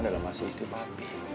adalah masih istri papi